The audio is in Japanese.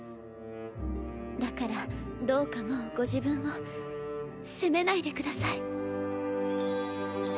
だからどうかもうご自分を責めないでください。